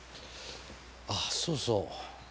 あそうそう。